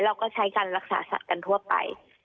เราก็ใช้การรักษาสัตว์กันทั่วไป